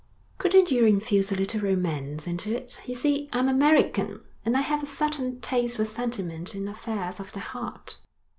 'Couldn't you infuse a little romance into it? You see, I'm American, and I have a certain taste for sentiment in affairs of the heart.'